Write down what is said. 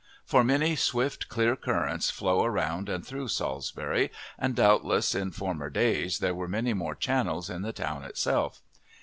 For many swift, clear currents flow around and through Salisbury, and doubtless in former days there were many more channels in the town itself.